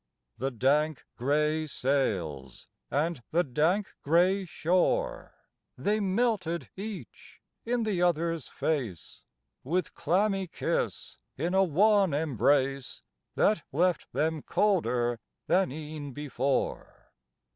The dank gray sails, and the dank gray shore, They melted each in the other's face, With clammy kiss, in a wan embrace That left them colder than e'en before.